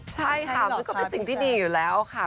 ใช่ค่ะมันก็เป็นสิ่งที่ดีอยู่แล้วค่ะ